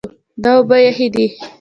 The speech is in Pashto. دا اوبه یخې دي.